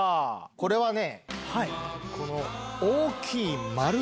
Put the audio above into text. これはね。